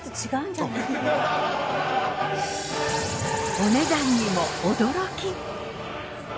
お値段にも驚き。